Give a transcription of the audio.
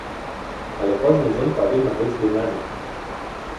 Але кожны дзень павінна быць дынаміка.